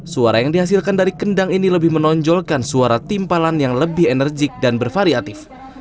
suara yang dihasilkan dari kendang ini lebih menonjolkan suara timpalan yang lebih enerjik dan bervariatif